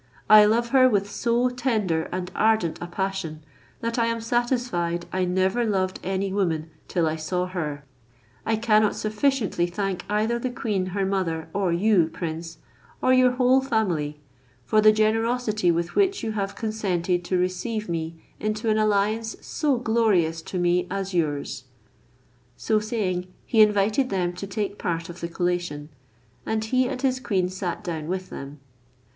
I love her with so tender and ardent a passion, that I am satisfied I never loved any woman till I saw her. I cannot sufficiently thank either the queen her mother or you, prince, or your whole family, for the generosity with which you have consented to receive me into an alliance so glorious to me as yours." So saying he invited them to take part of the collation, and he and his queen sat down with them.